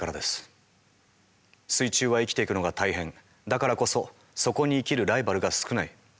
水中は生きていくのが大変だからこそそこに生きるライバルが少ない。